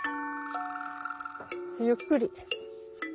ゆっくり。